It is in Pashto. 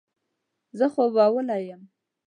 زه خوبولی یم.